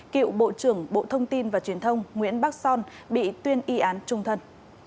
cựu bộ trưởng bộ thông tin và truyền thông nguyễn bắc son bị tuyên y án trung thân